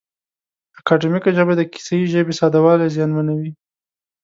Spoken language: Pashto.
اکاډیمیکه ژبه د کیسه یي ژبې ساده والی زیانمنوي.